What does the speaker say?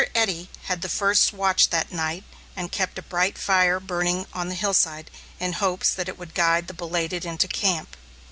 Eddy had the first watch that night, and kept a bright fire burning on the hillside in hopes that it would guide the belated into camp.